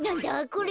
これ。